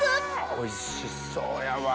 おいしそうやわ！